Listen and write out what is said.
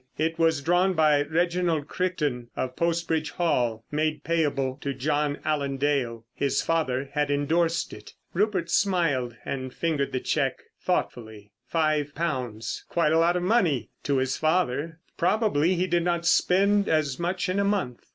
It was drawn by Reginald Crichton, of Post Bridge Hall, made payable to John Allen Dale. His father had endorsed it. Rupert smiled and fingered the cheque thoughtfully. Five pounds! Quite a lot of money—to his father; probably he did not spend as much in a month.